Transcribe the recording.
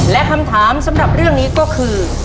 และคำถามสำหรับเรื่องนี้ก็คือ